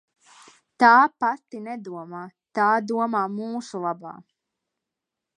Tā pati nedomā, tā domā mūsu labā.